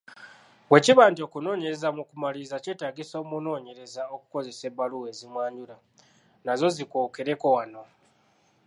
Bwe kiba nti okunoonyereza mu kumaliriza kyetaagisa omunoonyereza okukozesa ebbaluwa ezimwanjula, nazo zikookereko wano.